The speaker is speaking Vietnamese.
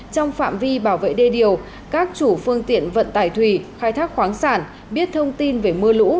trong phạm vi bảo vệ đê điều các chủ phương tiện vận tải thủy khai thác khoáng sản biết thông tin về mưa lũ